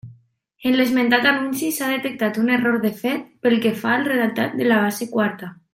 En l'esmentat anunci s'ha detectat un error de fet pel que fa al redactat de la base quarta.